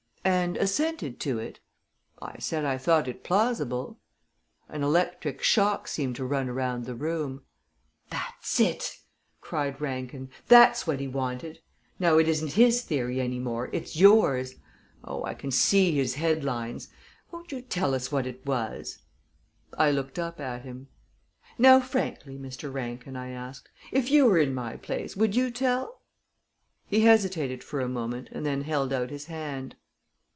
"And assented to it?" "I said I thought it plausible." An electric shock seemed to run around the room. "That's it!" cried Rankin. "That's what he wanted. Now, it isn't his theory any more. It's yours. Oh, I can see his headlines! Won't you tell us what it was?" I looked up at him. "Now, frankly, Mr. Rankin," I asked, "if you were in my place, would you tell?" He hesitated for a moment, and then held out his hand.